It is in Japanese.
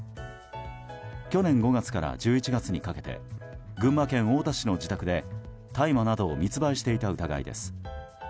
去年５月から１１月にかけて群馬県太田市の自宅で大麻などを密売していた疑いです。